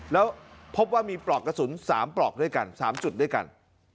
แล้วพบว่ามีปลอกกระสุน๓ปลอกด้วยกัน๓จุดด้วยกัน